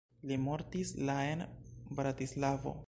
Li mortis la en Bratislavo.